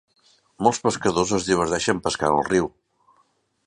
Molts pescadors es diverteixen pescant al riu.